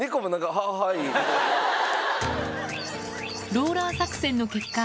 ローラー作戦の結果